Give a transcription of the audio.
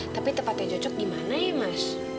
tapi tempatnya cocok di mana ya mas